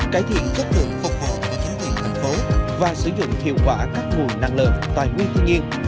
cải thiện chất lượng phục vụ của chính quyền thành phố và sử dụng hiệu quả các nguồn năng lượng tài nguyên thiên nhiên